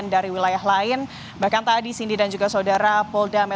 nah ini kalau tidak dibuat berarti